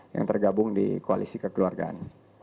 yang tergabung di koalisi kekeluargaan